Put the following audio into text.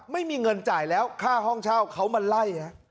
ไม่มีเงินจ่ายแล้วค่าห้องเช่าเขามาไล่